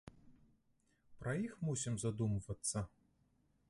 Пра іх мусім задумвацца?!